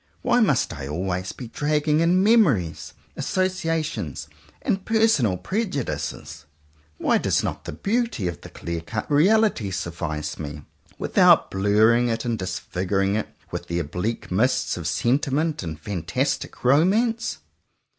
Why must I always be dragging in mem ories, associations, and personal prejudices? Why does not the beauty of the clear cut reality suffice me, without blurring it and disfiguring it with the oblique mists of sentiment and fantastic romance?